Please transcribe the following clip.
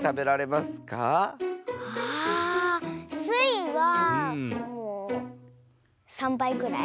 あっスイはもう３ばいぐらい。